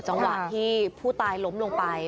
จังหวะที่ผู้ตายล้มลงไป